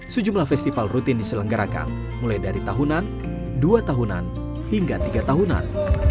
sejumlah festival rutin diselenggarakan mulai dari tahunan dua tahunan hingga tiga tahunan